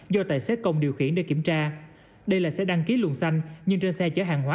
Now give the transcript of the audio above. do tài xế công điều khiển để kiểm tra đây là xe đăng ký luồng xanh nhưng trên xe chở hàng hóa